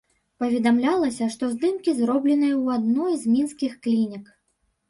Паведамлялася, што здымкі зробленыя ў адной з мінскіх клінік.